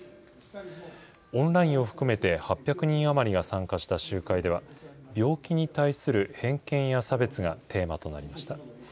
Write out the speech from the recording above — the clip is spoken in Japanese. オンラインを含めて８００人余りが参加した集会では、病気に対する偏見や差別がテーマとなりました。